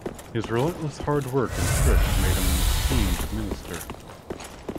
His relentless hard work and thrift made him an esteemed minister.